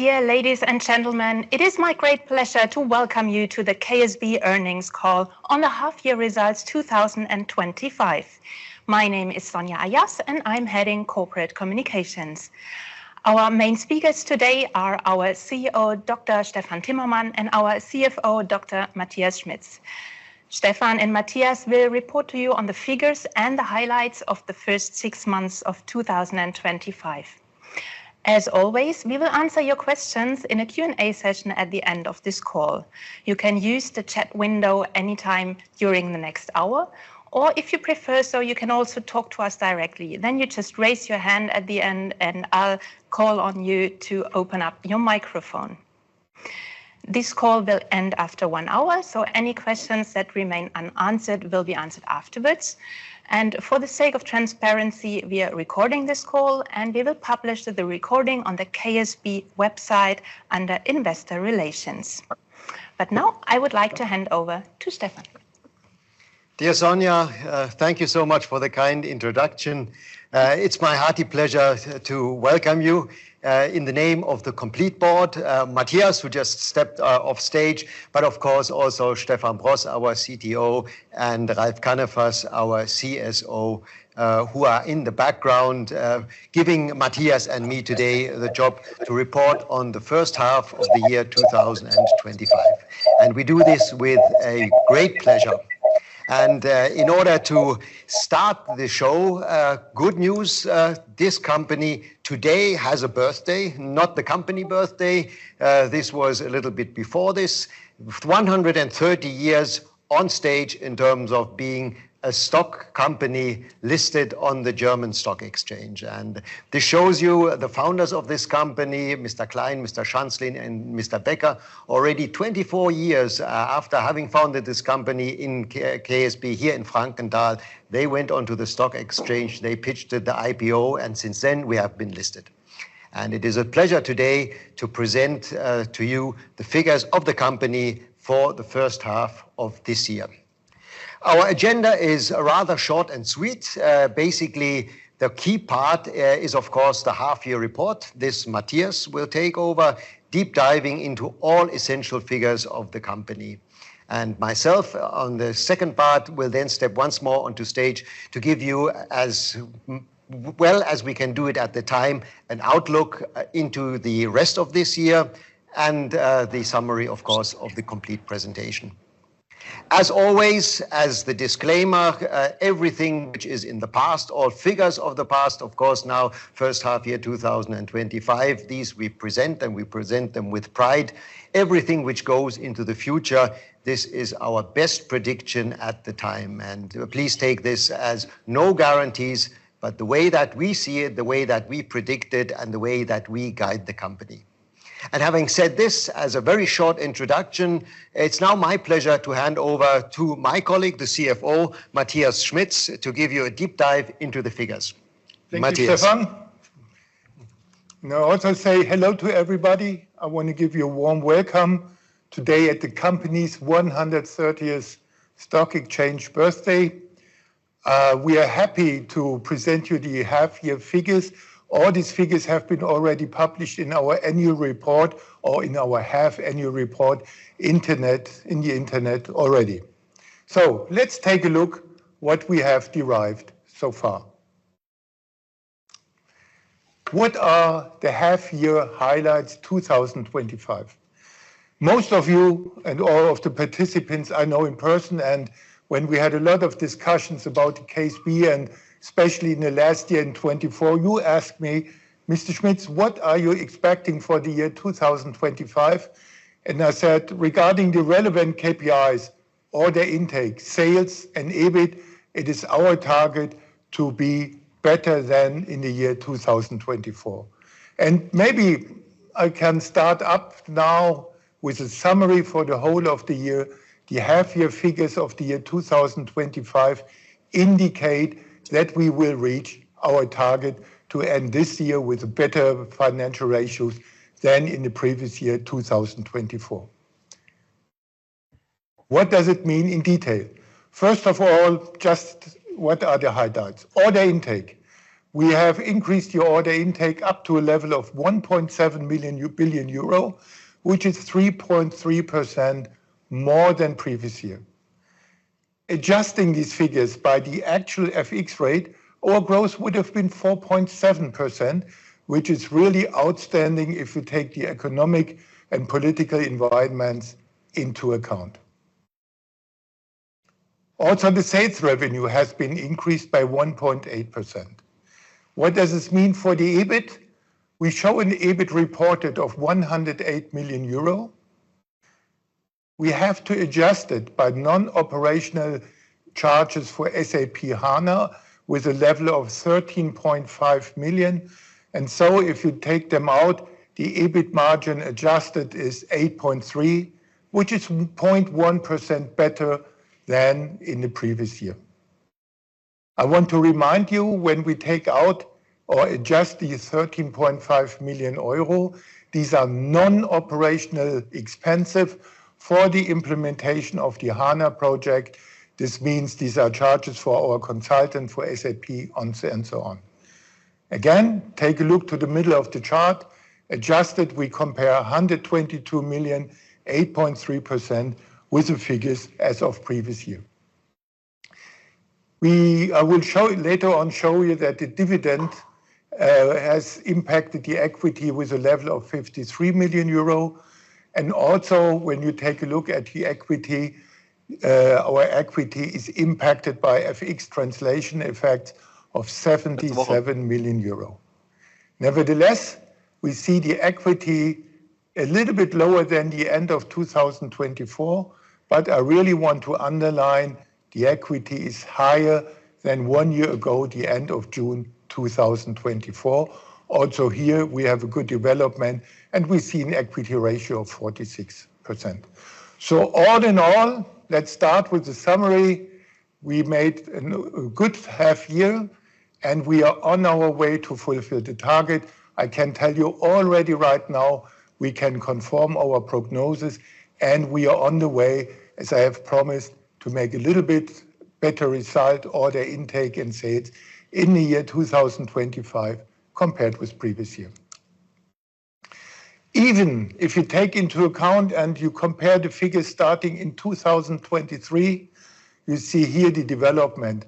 Dear ladies and gentlemen, it is my great pleasure to welcome you to the KSB earnings call on the half-year results 2025. My name is Sonja Ayass, and I'm heading Corporate Communications. Our main speakers today are our CEO, Dr. Stephan Timmermann, and our CFO, Dr. Matthias Schmitz. Stephan and Matthias will report to you on the figures and the highlights of the first six months of 2025. As always, we will answer your questions in a Q&A session at the end of this call. You can use the chat window anytime during the next hour, or if you prefer so, you can also talk to us directly. Then you just raise your hand at the end, and I'll call on you to open up your microphone. This call will end after one hour, so any questions that remain unanswered will be answered afterwards. For the sake of transparency, we are recording this call, and we will publish the recording on the KSB website under Investor Relations. Now I would like to hand over to Stephan. Dear Sonja, thank you so much for the kind introduction. It's my hearty pleasure to welcome you in the name of the complete board, Matthias, who just stepped off stage, but of course, also Stephan Bross, our CTO, and Ralf Kannefass, our CSO, who are in the background, giving Matthias and me today the job to report on the first half of the year 2025. We do this with a great pleasure. In order to start the show, good news, this company today has a birthday, not the company birthday. This was a little bit before this. 130 years on stage in terms of being a stock company listed on the German Stock Exchange. This shows you the founders of this company, Mr. Klein, Mr. Schanzlin, and Mr. Becker. Already 24 years after having founded this company in KSB here in Frankenthal, they went onto the stock exchange. They pitched the IPO, and since then we have been listed. It is a pleasure today to present to you the figures of the company for the first half of this year. Our agenda is rather short and sweet. Basically, the key part is, of course, the half-year report. This Matthias will take over, deep diving into all essential figures of the company. Myself, on the second part, will then step once more onto stage to give you, as well as we can do it at the time, an outlook into the rest of this year and the summary, of course, of the complete presentation. As always, as the disclaimer, everything which is in the past or figures of the past, of course, now first half year, 2025, these we present, and we present them with pride. Everything which goes into the future, this is our best prediction at the time, and please take this as no guarantees, but the way that we see it, the way that we predict it, and the way that we guide the company. And having said this as a very short introduction, it's now my pleasure to hand over to my colleague, the CFO, Matthias Schmitz, to give you a deep dive into the figures. Matthias. Thank you, Stephan. Now, I also say hello to everybody. I want to give you a warm welcome today at the company's 130th stock exchange birthday. We are happy to present you the half-year figures. All these figures have been already published in our annual report or in our half-annual report, internet, in the internet already. So let's take a look what we have derived so far. What are the half-year highlights, 2025? Most of you and all of the participants I know in person, and when we had a lot of discussions about KSB, and especially in the last year, in 2024, you asked me, "Mr. Schmitz, what are you expecting for the year 2025?" And I said, "Regarding the relevant KPIs, order intake, sales, and EBIT, it is our target to be better than in the year 2024." And maybe I can start up now with a summary for the whole of the year. The half-year figures of the year 2025 indicate that we will reach our target to end this year with better financial ratios than in the previous year, 2024. What does it mean in detail? First of all, just what are the highlights? Order intake. We have increased the order intake up to a level of 1.7 billion euro, which is 3.3% more than previous year. Adjusting these figures by the actual FX rate, order growth would have been 4.7%, which is really outstanding if you take the economic and political environments into account. Also, the sales revenue has been increased by 1.8%. What does this mean for the EBIT? We show an EBIT reported of 108 million euro. We have to adjust it by non-operational charges for SAP HANA, with a level of 13.5 million. And so if you take them out, the EBIT margin adjusted is 8.3%, which is 0.1% better than in the previous year. I want to remind you, when we take out or adjust the 13.5 million euro, these are non-operational expenses for the implementation of the HANA project. This means these are charges for our consultant, for SAP, on-site and so on. Again, take a look to the middle of the chart. Adjusted, we compare 122 million, 8.3%, with the figures as of previous year. I will show later on show you that the dividend has impacted the equity with a level of 53 million euro. And also, when you take a look at the equity, our equity is impacted by FX translation effect of 77 million euro. Nevertheless, we see the equity a little bit lower than the end of 2024, but I really want to underline the equity is higher than one year ago, at the end of June 2024. Also, here we have a good development, and we see an equity ratio of 46%. So all in all, let's start with the summary. We made a good half year, and we are on our way to fulfill the target. I can tell you already right now, we can confirm our prognosis, and we are on the way, as I have promised, to make a little bit better result, order intake and sales in the year 2025 compared with previous year. Even if you take into account and you compare the figures starting in 2023, you see here the development.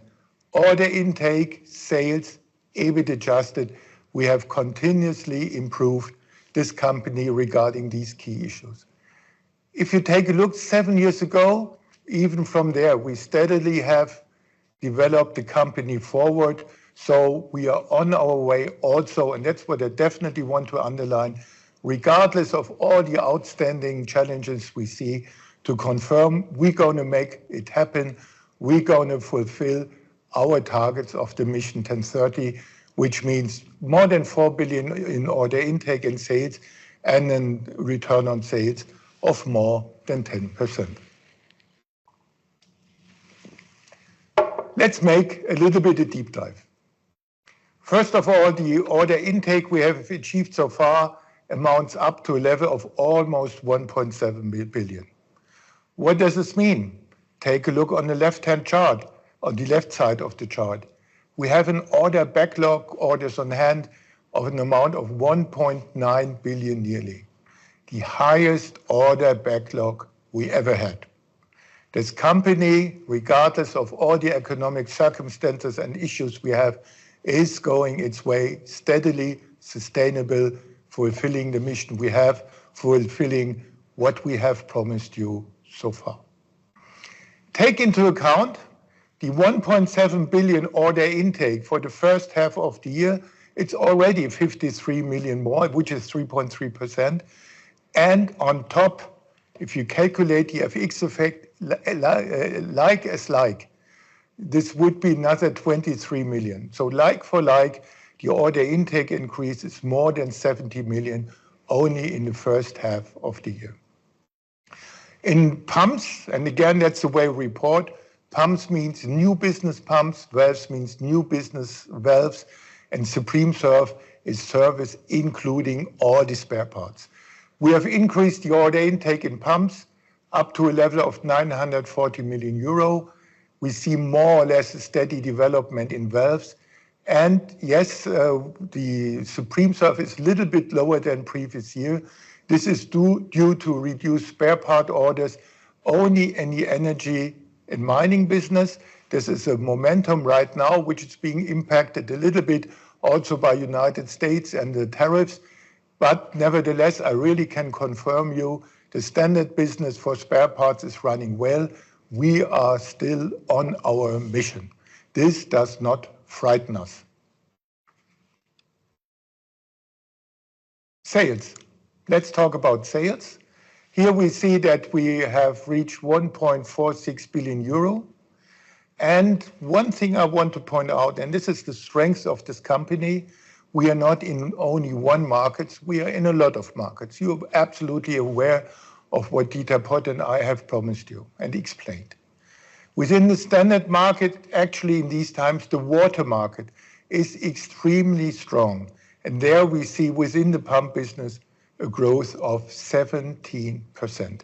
Order intake, sales, EBIT adjusted, we have continuously improved this company regarding these key issues. If you take a look seven years ago, even from there, we steadily have developed the company forward, so we are on our way also, and that's what I definitely want to underline. Regardless of all the outstanding challenges we see, to confirm we're gonna make it happen. We're gonna fulfill our targets of the Mission TEN30, which means more than 4 billion in order intake and sales, and then return on sales of more than 10%. Let's make a little bit of deep dive. First of all, the order intake we have achieved so far amounts up to a level of almost 1.7 billion. What does this mean? Take a look on the left-hand chart, on the left side of the chart. We have an order backlog, orders on hand of an amount of 1.9 billion yearly, the highest order backlog we ever had. This company, regardless of all the economic circumstances and issues we have, is going its way steadily, sustainable, fulfilling the mission we have, fulfilling what we have promised you so far. Take into account the 1.7 billion order intake for the first half of the year, it's already 53 million more, which is 3.3%. And on top, if you calculate the FX effect, like as like, this would be another 23 million. So like for like, the order intake increase is more than 70 million, only in the first half of the year. In pumps, and again, that's the way we report, pumps means new business pumps, valves means new business valves, and SupremeServ is service, including all the spare parts. We have increased the order intake in pumps up to a level of 940 million euro. We see more or less a steady development in valves. And yes, the SupremeServ a little bit lower than previous year. This is due, due to reduced spare part orders only in the energy and mining business. This is a momentum right now, which is being impacted a little bit also by United States and the tariffs, but nevertheless, I really can confirm you the standard business for spare parts is running well. We are still on our mission. This does not frighten us. Sales. Let's talk about sales. Here we see that we have reached 1.46 billion euro. And one thing I want to point out, and this is the strength of this company, we are not in only one markets, we are in a lot of markets. You are absolutely aware of what Timmermann and I have promised you and explained. Within the standard market, actually, in these times, the water market is extremely strong, and there we see within the pump business a growth of 17%.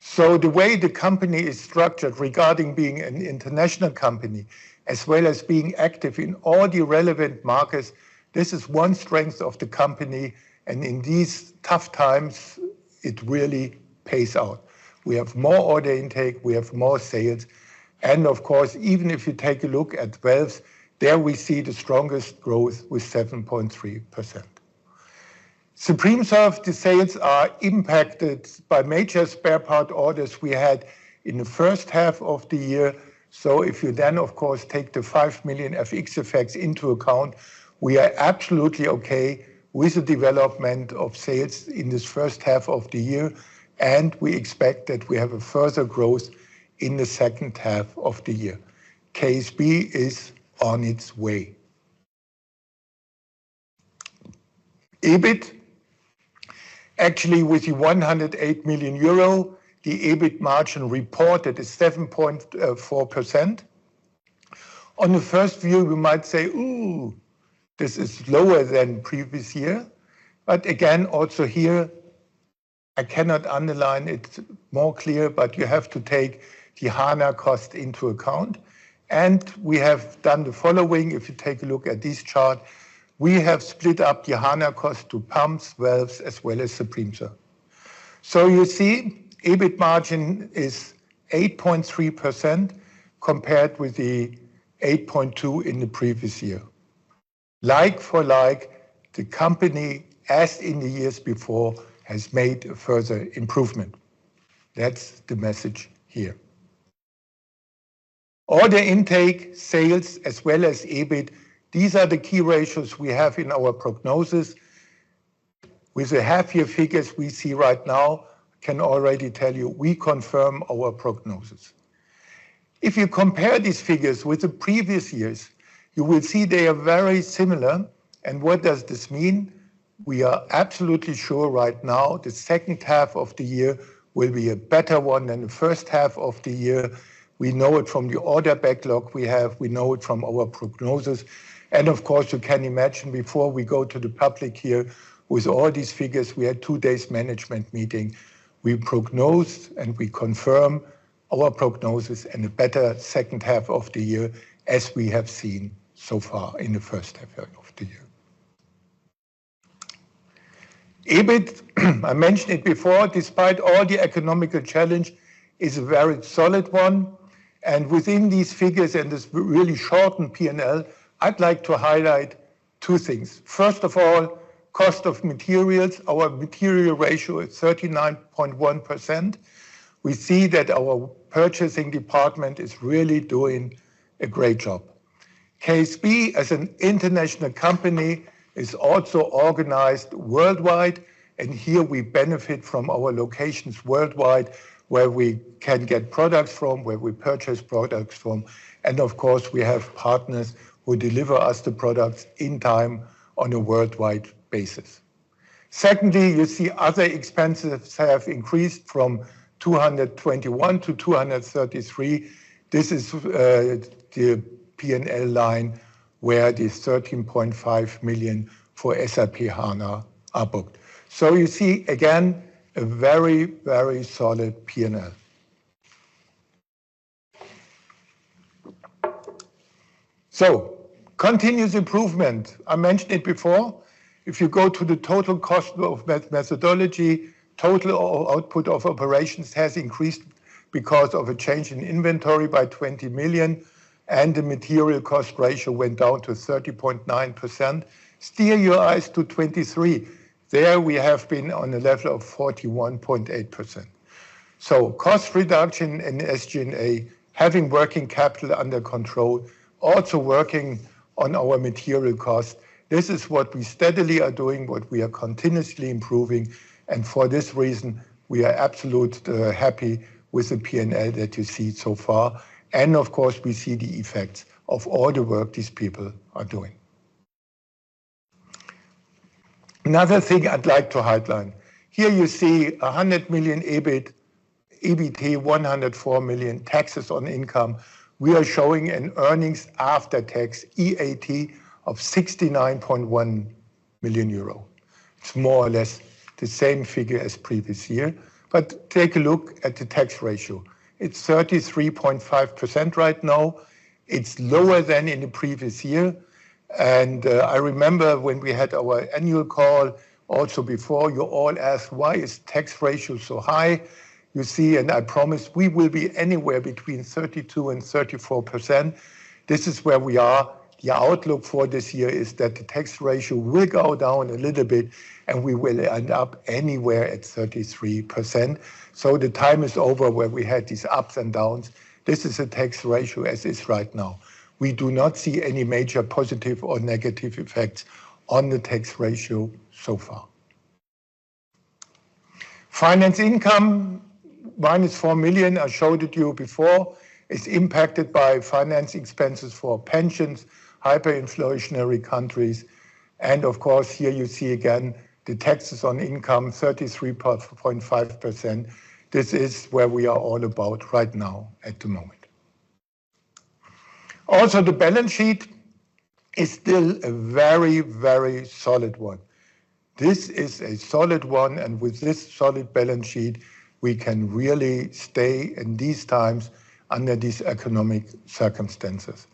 So the way the company is structured regarding being an international company, as well as being active in all the relevant markets, this is one strength of the company, and in these tough times, it really pays out. We have more order intake, we have more sales, and of course, even if you take a look at valves, there we see the strongest growth with 7.3%. SupremeServ, the sales are impacted by major spare part orders we had in the first half of the year. So if you then, of course, take the 5 million FX effects into account, we are absolutely okay with the development of sales in this first half of the year, and we expect that we have a further growth in the second half of the year. KSB is on its way. EBIT. Actually, with the 108 million euro, the EBIT margin reported is 7.4%. On the first view, we might say, "Ooh, this is lower than previous year." But again, also here, I cannot underline it more clear, but you have to take the HANA cost into account. And we have done the following. If you take a look at this chart, we have split up the HANA cost to pumps, valves, as well as the premium. So you see, EBIT margin is 8.3%, compared with the 8.2% in the previous year. Like for like, the company, as in the years before, has made a further improvement. That's the message here. Order intake, sales, as well as EBIT, these are the key ratios we have in our prognosis. With the half-year figures we see right now, can already tell you, we confirm our prognosis. If you compare these figures with the previous years, you will see they are very similar. And what does this mean? We are absolutely sure right now, the second half of the year will be a better one than the first half of the year. We know it from the order backlog we have. We know it from our prognosis, and of course, you can imagine, before we go to the public here with all these figures, we had two days management meeting. We prognosed and we confirm our prognosis and a better second half of the year, as we have seen so far in the first half of the year. EBIT, I mentioned it before, despite all the economic challenge, is a very solid one, and within these figures and this really shortened P&L, I'd like to highlight two things. First of all, cost of materials. Our material ratio is 39.1%. We see that our purchasing department is really doing a great job. KSB, as an international company, is also organized worldwide, and here we benefit from our locations worldwide, where we can get products from, where we purchase products from. Of course, we have partners who deliver us the products in time on a worldwide basis. Secondly, you see other expenses have increased from 221 million to 233 million. This is the P&L line, where the 13.5 million for SAP HANA are booked. So you see, again, a very, very solid P&L. So continuous improvement, I mentioned it before. If you go to the total cost methodology, total output of operations has increased because of a change in inventory by 20 million, and the material cost ratio went down to 30.9%. Steer your eyes to 23. There, we have been on a level of 41.8%. Cost reduction in SG&A, having working capital under control, also working on our material cost, this is what we steadily are doing, what we are continuously improving, and for this reason, we are absolute happy with the P&L that you see so far. And of course, we see the effects of all the work these people are doing. Another thing I'd like to highlight. Here, you see 100 million EBIT, EBT, 104 million taxes on income. We are showing an earnings after tax, EAT, of 69.1 million euro. It's more or less the same figure as previous year, but take a look at the tax ratio. It's 33.5% right now. It's lower than in the previous year, and I remember when we had our annual call, also before, you all asked, "Why is tax ratio so high?" You see, and I promise we will be anywhere between 32%-34%. This is where we are. The outlook for this year is that the tax ratio will go down a little bit, and we will end up anywhere at 33%. So the time is over where we had these ups and downs. This is the tax ratio as is right now. We do not see any major positive or negative effects on the tax ratio so far. Finance income, 4 million, I showed it to you before. It's impacted by finance expenses for pensions, hyperinflationary countries, and of course, here you see again the taxes on income, 33.5%. This is where we are all about right now, at the moment. Also, the balance sheet is still a very, very solid one. This is a solid one, and with this solid balance sheet, we can really stay in these times under these economic circumstances.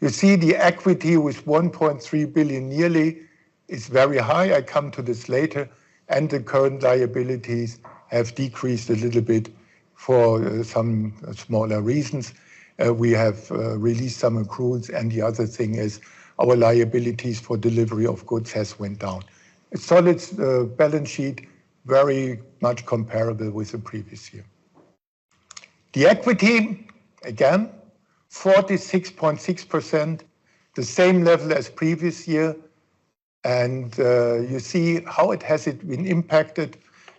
You see the equity with nearly 1.3 billion is very high. I come to this later. And the current liabilities have decreased a little bit for some smaller reasons. We have released some accruals, and the other thing is our liabilities for delivery of goods has went down. A solid balance sheet, very much comparable with the previous year. The equity, again, 46.6%, the same level as previous year, and you see how it has been impacted.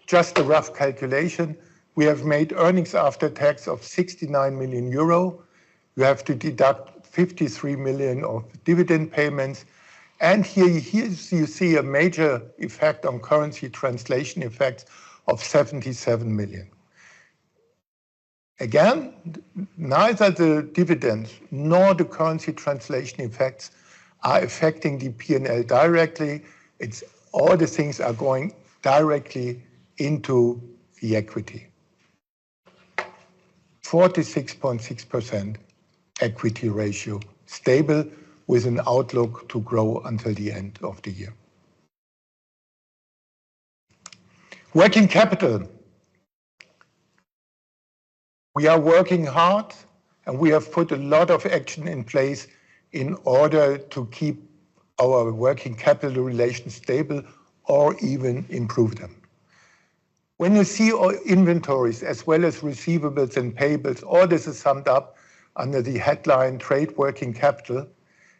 Just a rough calculation. We have made earnings after tax of 69 million euro. We have to deduct 53 million of dividend payments. Here, here you see a major effect on currency translation effects of 77 million. Again, neither the dividends nor the currency translation effects are affecting the P&L directly. It's all the things are going directly into the equity. 46.6% Equity Ratio, stable, with an outlook to grow until the end of the year. Working capital. We are working hard, and we have put a lot of action in place in order to keep our working capital relations stable or even improve them. When you see our inventories as well as receivables and payables, all this is summed up under the headline Trade Working Capital,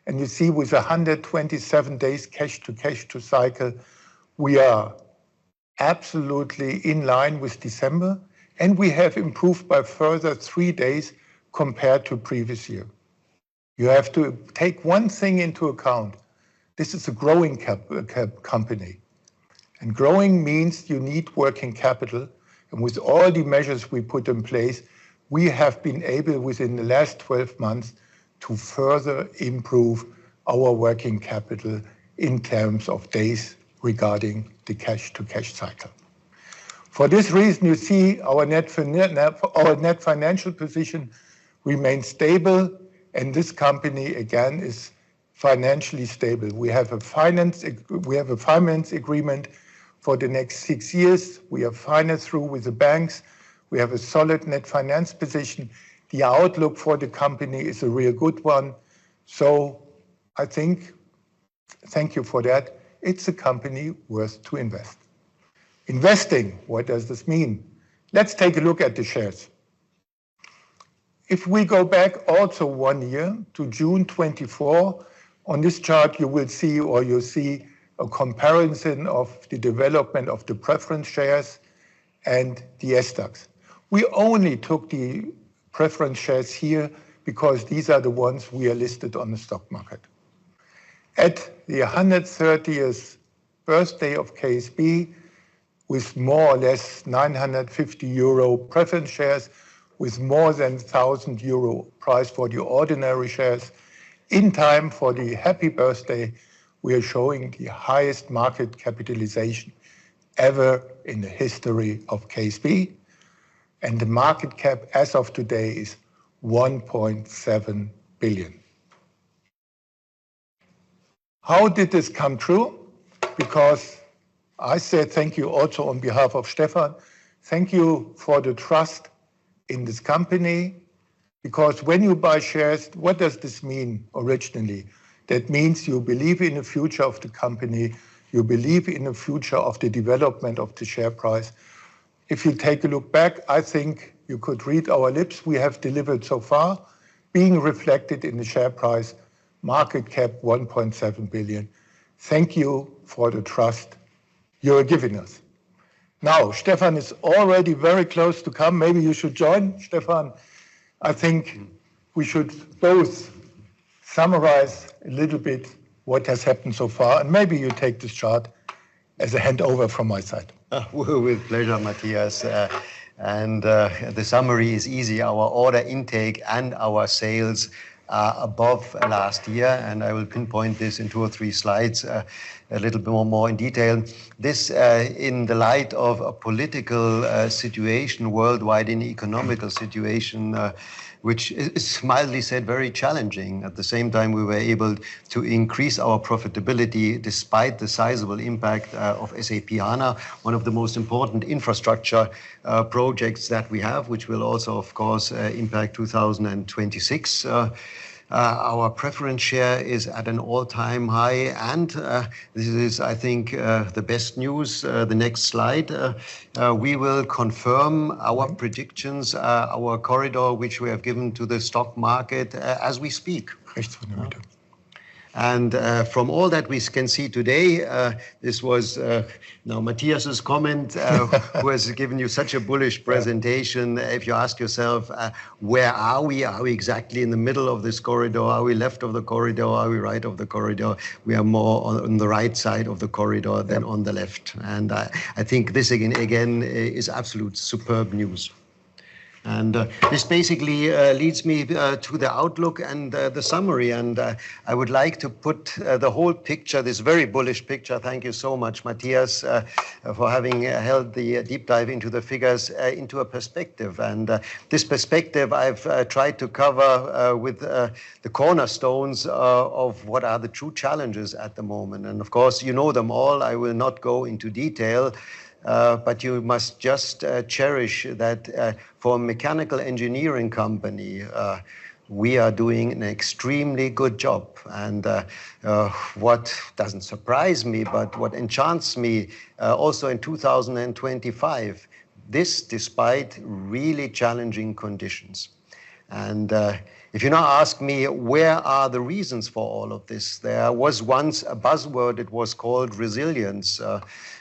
and you see with 127 days cash-to-cash cycle, we are absolutely in line with December, and we have improved by a further 3 days compared to previous year. You have to take one thing into account. This is a growing CapEx company, and growing means you need working capital, and with all the measures we put in place, we have been able, within the last 12 months, to further improve our working capital in terms of days regarding the cash-to-cash cycle. For this reason, you see our net financial position remains stable, and this company, again, is financially stable. We have a finance agreement for the next six years. We are financed through with the banks. We have a solid net finance position. The outlook for the company is a real good one, so I think thank you for that. It's a company worth to invest. Investing, what does this mean? Let's take a look at the shares. If we go back also one year to June 24, on this chart you will see or you'll see a comparison of the development of the preference shares and the Stamm stocks. We only took the preference shares here because these are the ones we are listed on the stock market. At the 130th birthday of KSB, with more or less 950 euro preference shares, with more than 1,000 euro price for your ordinary shares, in time for the happy birthday, we are showing the highest market capitalization ever in the history of KSB, and the market cap as of today is 1.7 billion. How did this come true? Because I said thank you also on behalf of Stephan. Thank you for the trust in this company, because when you buy shares, what does this mean originally? That means you believe in the future of the company. You believe in the future of the development of the share price. If you take a look back, I think you could read our lips. We have delivered so far, being reflected in the share price, market cap 1.7 billion. Thank you for the trust you are giving us. Now, Stephan is already very close to come. Maybe you should join, Stephan. I think we should both summarize a little bit what has happened so far, and maybe you take this chart as a handover from my side. With pleasure, Matthias, and the summary is easy. Our order intake and our sales are above last year, and I will pinpoint this in two or three slides, a little bit more in detail. This, in the light of a political situation worldwide and economical situation, which is mildly said, very challenging. At the same time, we were able to increase our profitability despite the sizable impact of SAP HANA, one of the most important infrastructure projects that we have, which will also, of course, impact 2026. Our preference share is at an all-time high, and this is, I think, the best news. The next slide, we will confirm our predictions, our corridor, which we have given to the stock market, as we speak. Right. From all that we can see today, this was now Matthias's comment who has given you such a bullish presentation. If you ask yourself, where are we? Are we exactly in the middle of this corridor? Are we left of the corridor? Are we right of the corridor? We are more on the right side of the corridor than on the left, and I think this again is absolute superb news. And this basically leads me to the outlook and the summary, and I would like to put the whole picture, this very bullish picture. Thank you so much, Matthias, for having held the deep dive into the figures into a perspective. This perspective I've tried to cover with the cornerstones of what are the true challenges at the moment, and of course, you know them all. I will not go into detail, but you must just cherish that, for a mechanical engineering company, we are doing an extremely good job. What doesn't surprise me, but what enchants me, also in 2025, this despite really challenging conditions. If you now ask me, where are the reasons for all of this? There was once a buzzword. It was called resilience.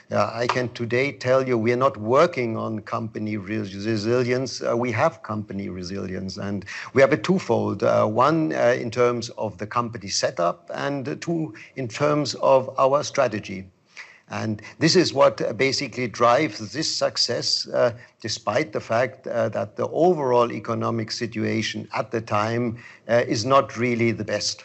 I can today tell you, we are not working on company resilience. We have company resilience, and we have a twofold, one, in terms of the company setup and two, in terms of our strategy. This is what basically drives this success, despite the fact that the overall economic situation at the time is not really the best.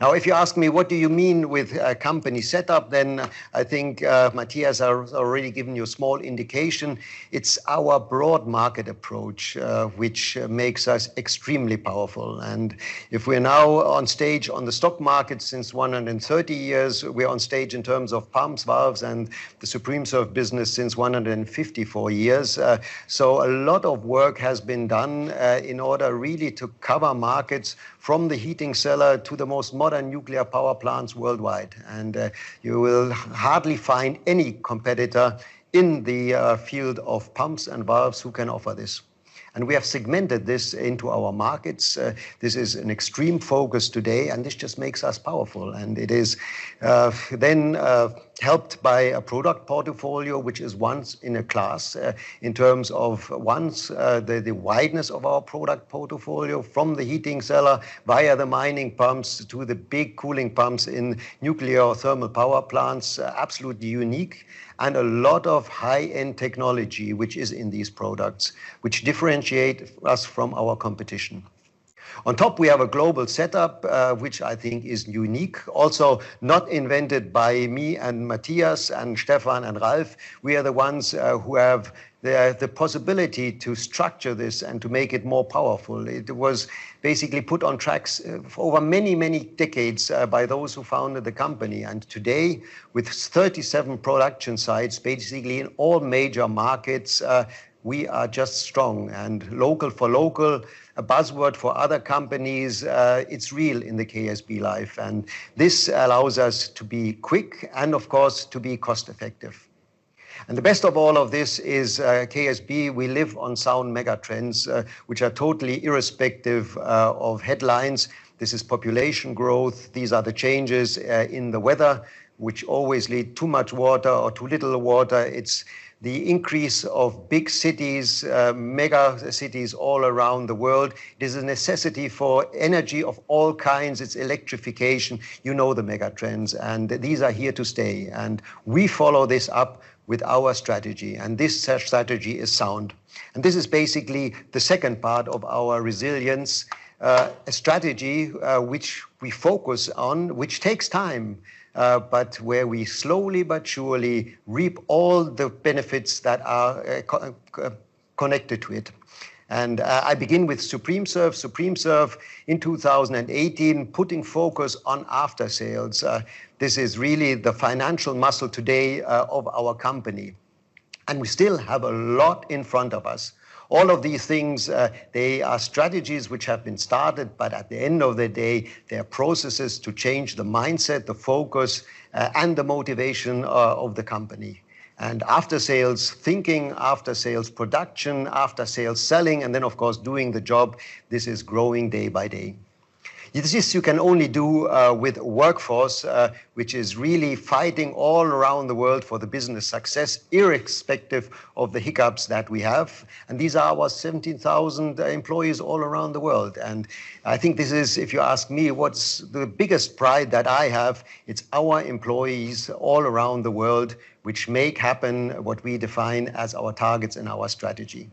Now, if you ask me, what do you mean with a company setup? Then I think, Matthias has already given you a small indication. It's our broad market approach, which makes us extremely powerful. And if we're now on stage on the stock market since 130 years, we're on stage in terms of pumps, valves, and the SupremeServ business since 154 years. So a lot of work has been done in order really to cover markets from the heating cellar to the most modern nuclear power plants worldwide. And you will hardly find any competitor in the field of pumps and valves who can offer this. And we have segmented this into our markets. This is an extreme focus today, and this just makes us powerful, and it is then helped by a product portfolio, which is once in a class. In terms of once, the wideness of our product portfolio from the heating cellar, via the mining pumps, to the big cooling pumps in nuclear or thermal power plants, absolutely unique, and a lot of high-end technology which is in these products, which differentiate us from our competition. On top, we have a global setup, which I think is unique. Also, not invented by me, and Matthias, and Stephan, and Ralf. We are the ones who have the possibility to structure this and to make it more powerful. It was basically put on tracks over many, many decades by those who founded the company. Today, with 37 production sites, basically in all major markets, we are just strong. Local for local, a buzzword for other companies, it's real in the KSB life, and this allows us to be quick and of course, to be cost effective. The best of all of this is, KSB, we live on sound mega trends, which are totally irrespective of headlines. This is population growth. These are the changes in the weather, which always lead to too much water or too little water. It's the increase of big cities, mega cities all around the world. It is a necessity for energy of all kinds. It's electrification. You know, the mega trends, and these are here to stay, and we follow this up with our strategy, and this strategy is sound. And this is basically the second part of our resilience, strategy, which we focus on, which takes time, but where we slowly but surely reap all the benefits that are connected to it. And, I begin with SupremeServ. SupremeServ in 2018, putting focus on after sales. This is really the financial muscle today, of our company, and we still have a lot in front of us. All of these things, they are strategies which have been started, but at the end of the day, they are processes to change the mindset, the focus, and the motivation, of the company. And after sales thinking, after sales production, after sales selling, and then of course, doing the job, this is growing day by day. This you can only do with workforce which is really fighting all around the world for the business success, irrespective of the hiccups that we have, and these are our 17,000 employees all around the world. And I think this is, if you ask me what's the biggest pride that I have, it's our employees all around the world, which make happen what we define as our targets and our strategy.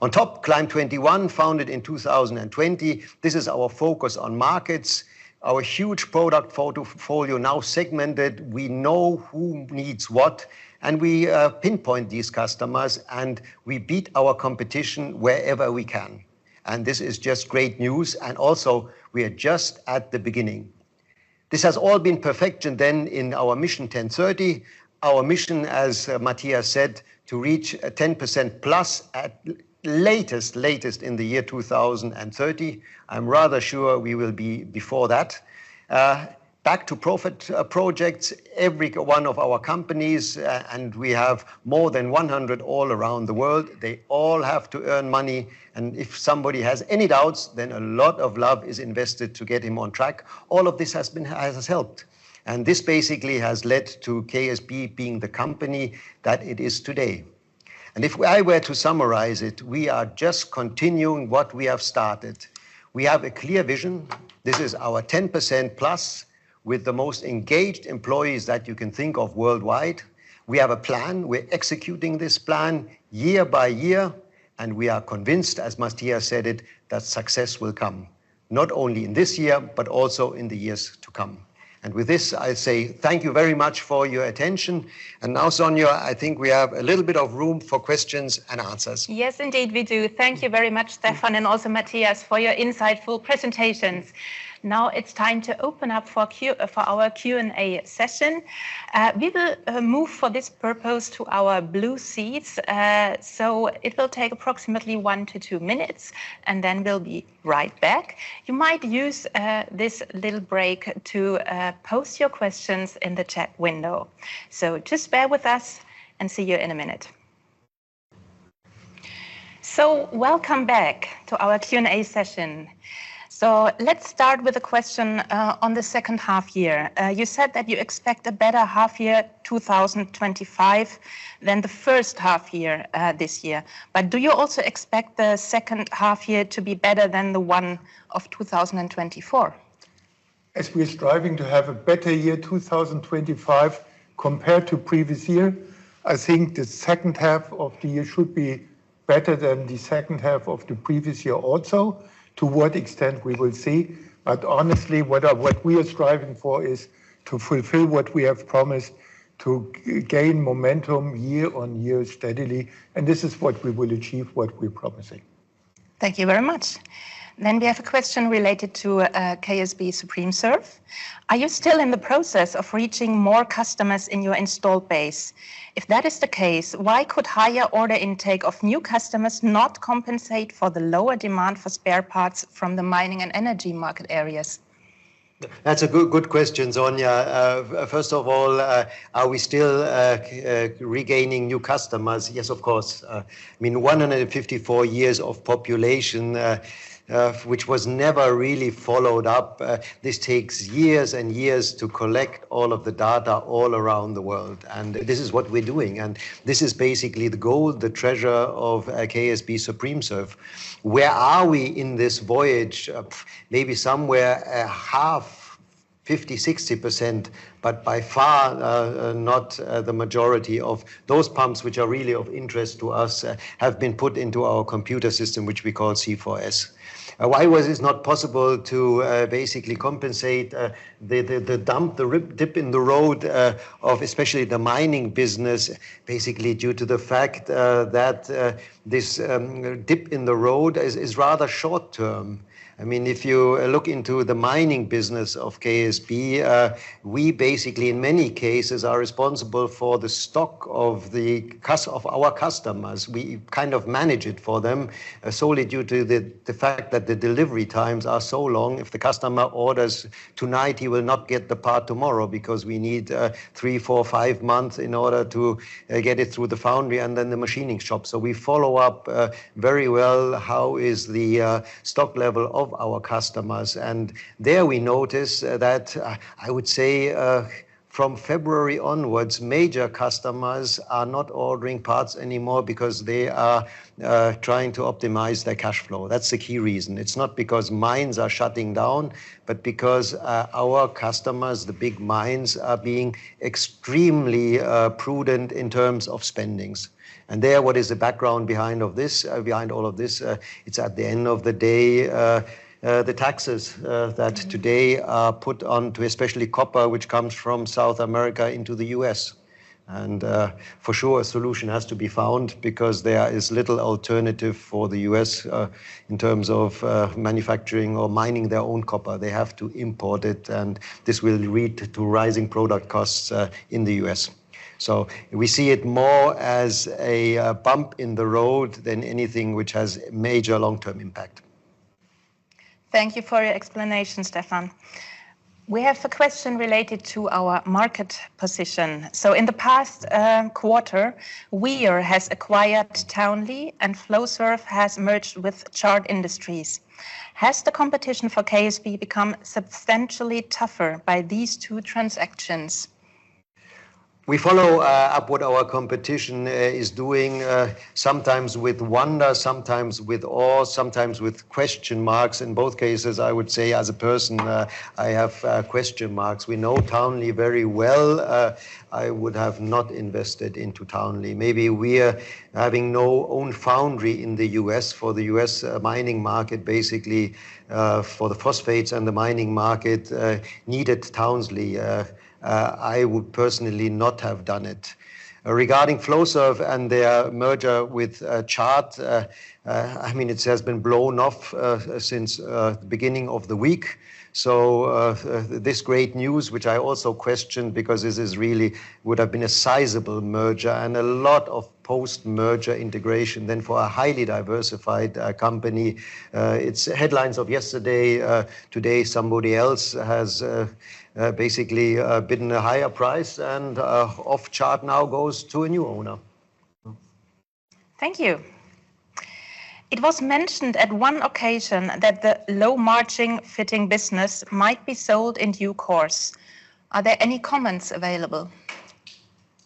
On top, CLIMB 21, founded in 2020, this is our focus on markets. Our huge product portfolio now segmented. We know who needs what, and we pinpoint these customers, and we beat our competition wherever we can. And this is just great news, and also we are just at the beginning. This has all been perfected then in our Mission TEN30. Our mission, as Matthias said, to reach a 10%+ at latest, latest in the year 2030. I'm rather sure we will be before that. Back to Profit projects. Every one of our companies, and we have more than 100 all around the world, they all have to earn money, and if somebody has any doubts, then a lot of love is invested to get him on track. All of this has helped, and this basically has led to KSB being the company that it is today. And if I were to summarize it, we are just continuing what we have started. We have a clear vision. This is our 10%+ with the most engaged employees that you can think of worldwide. We have a plan. We're executing this plan year by year, and we are convinced, as Matthias said it, that success will come, not only in this year, but also in the years to come. And with this, I say thank you very much for your attention. And now, Sonja, I think we have a little bit of room for questions and answers. Yes, indeed, we do. Thank you very much, Stephan, and also Matthias, for your insightful presentations. Now it's time to open up for our Q&A session. We will move for this purpose to our blue seats. It will take approximately one-two minutes, and then we'll be right back. You might use this little break to post your questions in the chat window. Just bear with us, and see you in a minute. Welcome back to our Q&A session. Let's start with a question on the second half year. You said that you expect a better half year 2025 than the first half year this year, but do you also expect the second half year to be better than the one of 2024? As we're striving to have a better year 2025 compared to previous year, I think the second half of the year should be better than the second half of the previous year also. To what extent, we will see, but honestly, what, what we are striving for is to fulfill what we have promised, to gain momentum year on year steadily, and this is what we will achieve what we're promising. Thank you very much. We have a question related to KSB SupremeServ. Are you still in the process of reaching more customers in your installed base? If that is the case, why could higher order intake of new customers not compensate for the lower demand for spare parts from the mining and energy market areas? That's a good, good question, Sonja. First of all, are we still regaining new customers? Yes, of course. I mean, 154 years of operation, which was never really followed up, this takes years and years to collect all of the data all around the world, and this is what we're doing, and this is basically the gold, the treasure of KSB SupremeServ. Where are we in this voyage? Maybe somewhere half, 50%-60%, but by far not the majority of those pumps which are really of interest to us have been put into our computer system, which we call C4S. Why was this not possible to basically compensate the dip in the road of especially the mining business? Basically, due to the fact that this dip in the road is rather short term. I mean, if you look into the mining business of KSB, we basically in many cases are responsible for the stock of our customers. We kind of manage it for them, solely due to the fact that the delivery times are so long. If the customer orders tonight, he will not get the part tomorrow because we need three, four, five months in order to get it through the foundry and then the machining shop. So we follow up very well, how is the stock level of our customers? And there we notice that I would say from February onwards, major customers are not ordering parts anymore because they are trying to optimize their cash flow. That's the key reason. It's not because mines are shutting down, but because our customers, the big mines, are being extremely prudent in terms of spendings. And there, what is the background behind of this, behind all of this? It's at the end of the day, the taxes that today are put onto especially copper, which comes from South America into the U.S. And, for sure a solution has to be found because there is little alternative for the U.S., in terms of manufacturing or mining their own copper. They have to import it, and this will lead to rising product costs in the U.S. So we see it more as a bump in the road than anything which has major long-term impact. Thank you for your explanation, Stephan. We have a question related to our market position. In the past quarter, Weir has acquired Townley and Flowserve has merged with Chart Industries. Has the competition for KSB become substantially tougher by these two transactions? We follow up what our competition is doing, sometimes with wonder, sometimes with awe, sometimes with question marks. In both cases, I would say, as a person, I have question marks. We know Townley very well. I would have not invested into Townley. Maybe we, having no own foundry in the U.S. for the U.S. mining market, basically, for the phosphates and the mining market, needed Townley. I would personally not have done it. Regarding Flowserve and their merger with Chart, I mean, it has been blown off since the beginning of the week, so this great news, which I also question, because this is really would have been a sizable merger and a lot of post-merger integration then for a highly diversified company. It's headlines of yesterday. Today somebody else has basically bid a higher price, and off Chart now goes to a new owner. Thank you. It was mentioned at one occasion that the low-margin fitting business might be sold in due course. Are there any comments available?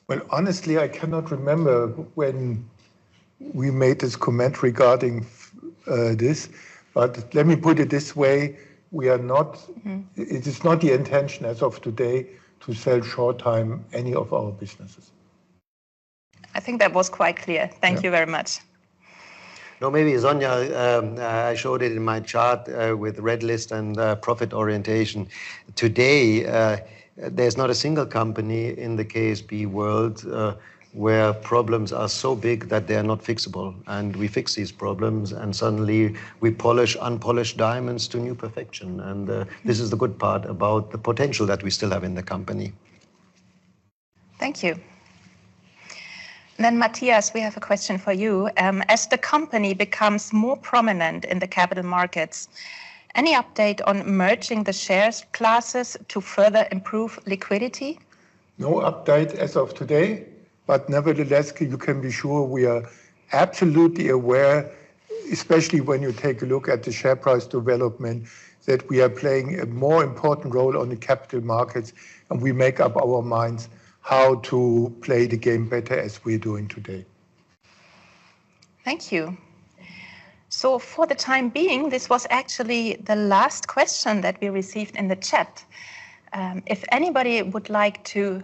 Well, honestly, I cannot remember when we made this comment regarding this, but let me put it this way: We are not, it is not the intention as of today to sell short term any of our businesses. I think that was quite clear. Thank you very much. No, maybe, Sonja, I showed it in my chart, with Red List and profit orientation. Today, there's not a single company in the KSB world, where problems are so big that they are not fixable, and we fix these problems, and suddenly we polish unpolished diamonds to new perfection, and this is the good part about the potential that we still have in the company. Thank you. Matthias, we have a question for you. As the company becomes more prominent in the capital markets, any update on merging the shares classes to further improve liquidity? No update as of today, but nevertheless, you can be sure we are absolutely aware, especially when you take a look at the share price development, that we are playing a more important role on the capital markets, and we make up our minds how to play the game better as we're doing today. Thank you. So for the time being, this was actually the last question that we received in the chat. If anybody would like to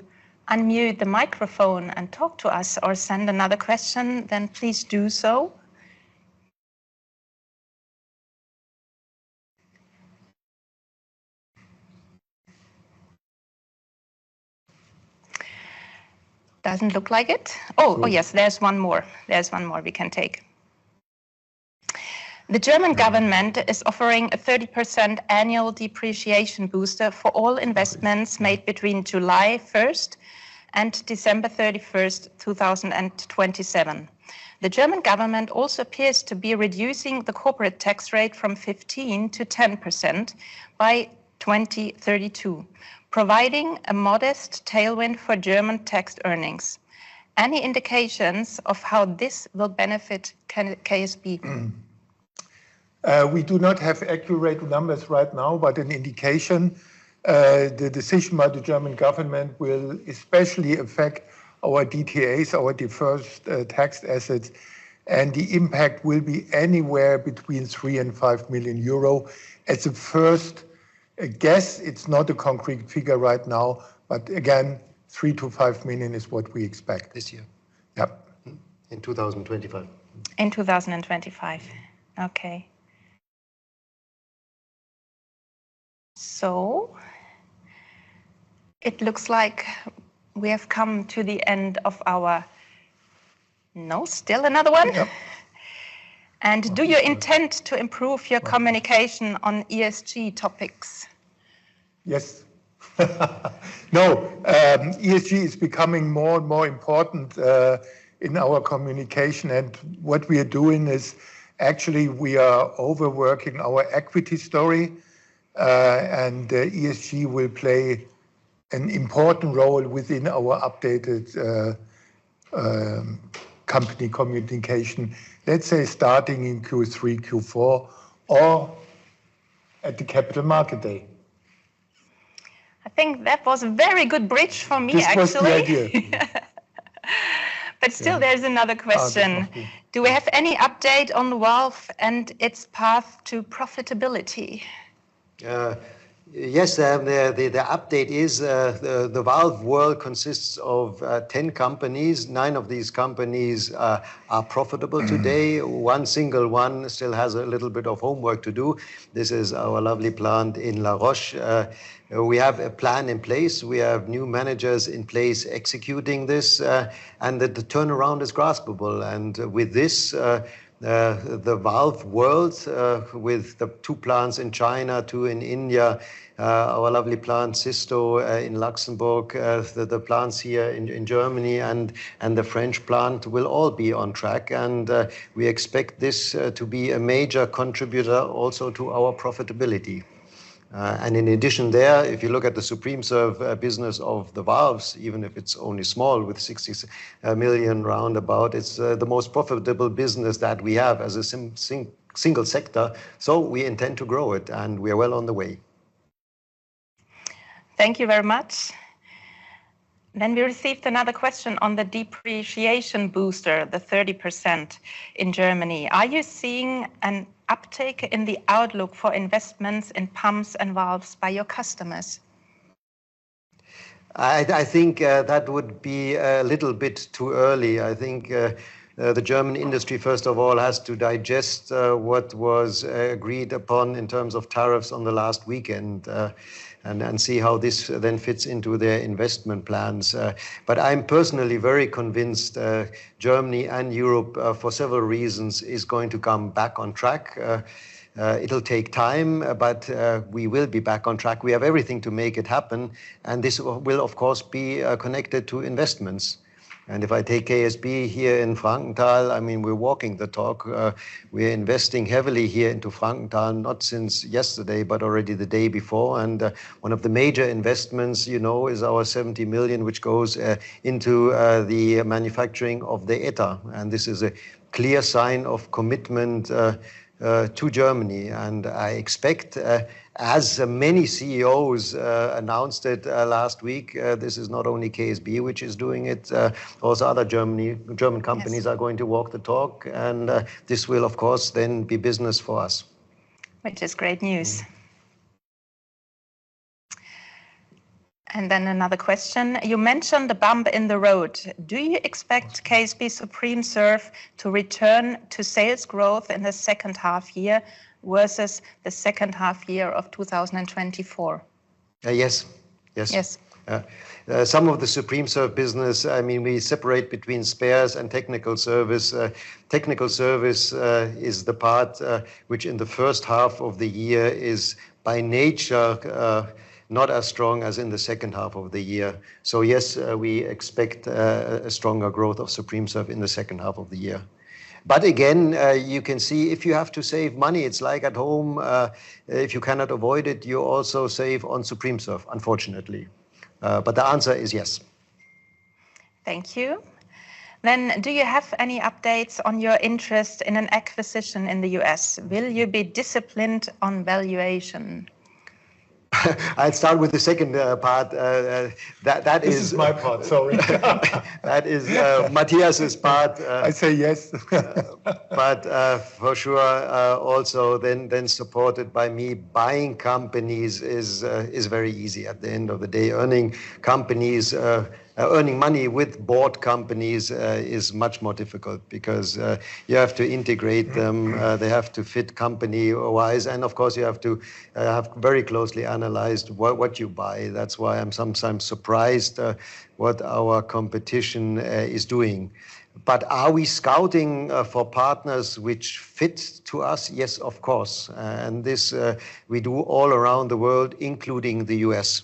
unmute the microphone and talk to us or send another question, then please do so. Doesn't look like it. Oh, oh yes, there's one more. There's one more we can take. "The German government is offering a 30% annual depreciation booster for all investments made between July 1st and December 31st, 2027. The German government also appears to be reducing the corporate tax rate from 15%-10% by 2032, providing a modest tailwind for German tax earnings. Any indications of how this will benefit KSB? We do not have accurate numbers right now, but an indication, the decision by the German government will especially affect our DTAs, our Deferred Tax Assets, and the impact will be anywhere between 3 million and 5 million euro. As a first guess, it's not a concrete figure right now, but again, 3-5 million is what we expect. This year. Yeah. In 2025. In 2025. Okay. So it looks like we have come to the end of our, no, still another one? Yeah. Do you intend to improve your communication on ESG topics? Yes. No, ESG is becoming more and more important in our communication, and what we are doing is, actually, we are overworking our equity story. And, ESG will play an important role within our updated company communication, let's say starting in Q3, Q4, or at the Capital Market Day. I think that was a very good bridge for me, actually. This was the idea. Still there's another question. Oh, okay. Do we have any update on the valve and its path to profitability? Yes, the update is the valve world consists of 10 companies. Nine of these companies are profitable today. One single one still has a little bit of homework to do. This is our lovely plant in La Roche. We have a plan in place. We have new managers in place executing this, and that the turnaround is graspable. And with this, the valve world, with the two plants in China, two in India, our lovely plant, SISTO, in Luxembourg, the plants here in Germany and the French plant will all be on track. And we expect this to be a major contributor also to our profitability. And in addition, there, if you look at the SupremeServ business of the valves, even if it's only small, with 60 million roundabout, it's the most profitable business that we have as a single sector, so we intend to grow it, and we are well on the way. Thank you very much. Then we received another question on the depreciation booster, the 30% in Germany. Are you seeing an uptake in the outlook for investments in pumps and valves by your customers? I think that would be a little bit too early. I think the German industry, first of all, has to digest what was agreed upon in terms of tariffs on the last weekend, and see how this then fits into their investment plans. But I'm personally very convinced Germany and Europe, for several reasons, is going to come back on track. It'll take time, but we will be back on track. We have everything to make it happen, and this will, of course, be connected to investments. And if I take KSB here in Frankenthal, I mean, we're walking the talk. We're investing heavily here into Frankenthal, not since yesterday, but already the day before. One of the major investments, you know, is our 70 million, which goes into the manufacturing of the Eta, and this is a clear sign of commitment to Germany. I expect, as many CEOs announced it last week, this is not only KSB which is doing it, also other German companies are going to walk the talk. This will, of course, then be business for us. Which is great news. Then another question: "You mentioned the bump in the road. Do you expect KSB SupremeServ to return to sales growth in the second half year versus the second half year of 2024? Yes. Yes. Yes. Some of the SupremeServ business, I mean, we separate between spares and technical service. Technical service is the part which in the first half of the year is, by nature, not as strong as in the second half of the year. So yes, we expect a stronger growth of SupremeServ in the second half of the year. But again, you can see if you have to save money, it's like at home, if you cannot avoid it, you also save on SupremeServ, unfortunately. But the answer is yes. Thank you. Then, do you have any updates on your interest in an acquisition in the U.S.? Will you be disciplined on valuation? I'd start with the second part. That is. This is my part, sorry. That is Matthias's part. I say yes. But, for sure, also then, then supported by me, buying companies is, is very easy. At the end of the day, earning companies, earning money with bought companies, is much more difficult because, you have to integrate them. They have to fit company-wise, and of course, you have to have very closely analyzed what, what you buy. That's why I'm sometimes surprised what our competition is doing. But are we scouting for partners which fit to us? Yes, of course, and this we do all around the world, including the U.S.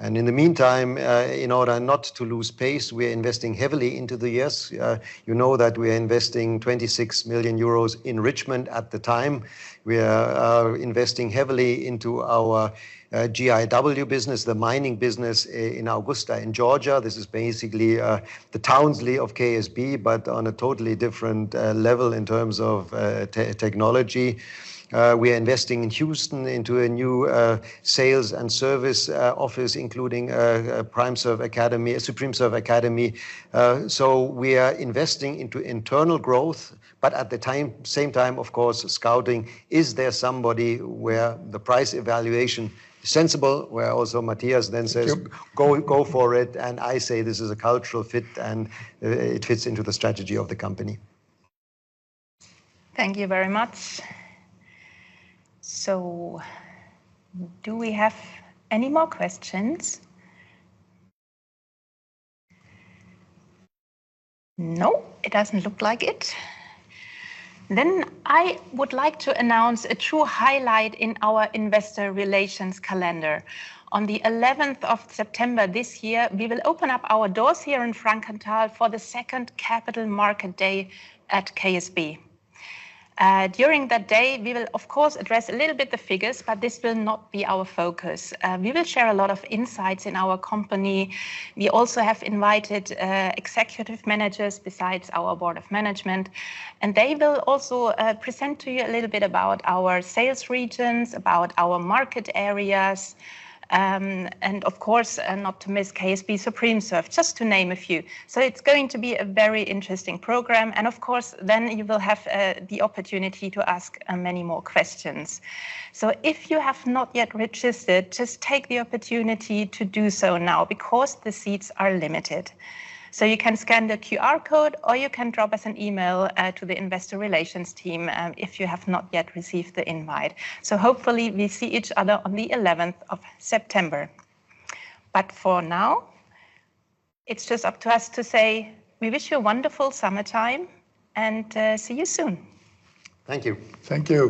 And in the meantime, in order not to lose pace, we're investing heavily into the U.S. You know that we're investing 26 million euros in Richmond at the time. We are investing heavily into our GIW business, the mining business in Augusta, in Georgia. This is basically the Townley of KSB, but on a totally different level in terms of technology. We are investing in Houston into a new sales and service office, including a SupremeServ Academy. So we are investing into internal growth, but at the same time, of course, scouting. Is there somebody where the price evaluation is sensible? Where also Matthias then says. Thank you "Go, go for it," and I say, "This is a cultural fit, and it fits into the strategy of the company. Thank you very much. So do we have any more questions? No, it doesn't look like it. Then I would like to announce a true highlight in our investor relations calendar. On the 11th of September this year, we will open up our doors here in Frankenthal for the second capital market day at KSB. During that day, we will of course address a little bit the figures, but this will not be our focus. We will share a lot of insights in our company. We also have invited executive managers besides our board of management, and they will also present to you a little bit about our sales regions, about our market areas, and of course, and not to miss KSB SupremeServ, just to name a few. So it's going to be a very interesting program, and of course, then you will have the opportunity to ask many more questions. So if you have not yet registered, just take the opportunity to do so now, because the seats are limited. So you can scan the QR code, or you can drop us an email to the investor relations team if you have not yet received the invite. So hopefully, we see each other on the 11th of September. But for now, it's just up to us to say we wish you a wonderful summertime, and see you soon. Thank you. Thank you.